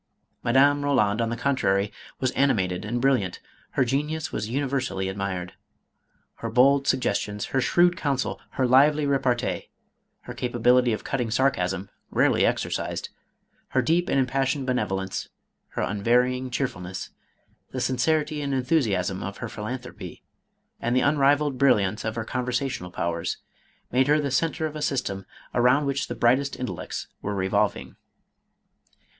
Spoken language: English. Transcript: Madame Ko land, on the contrary, was animated and brilliant. Her genius was universally admired. Her bold sugges tions, her shrewd counsel, her lively repartee, her ca pability of cutting sarcasm, rarely exercised, her deep and impassioned benevolence, her unvarying cheerful ness, the sincerity and enthusiasm of her philanthropy, and the unrivalled brilliance of her conversational pow ers, made her the centre of a system around which the brightest intellects were revolving.